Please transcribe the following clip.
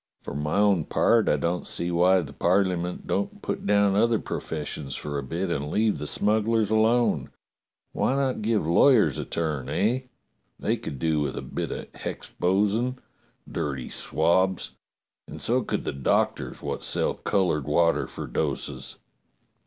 For my own part I don't see why the Parleyment don't put down other professions for a bit and leave the smug glers alone. Why not give lawyers a turn, eh? They could do with a bit o' hexposin'! Dirty swabs! And so could the doctors wot sell coloured water for doses.